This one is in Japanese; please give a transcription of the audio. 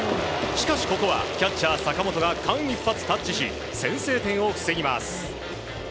しかし、ここはキャッチャー、坂本が間一髪でタッチし先制点を防ぎます。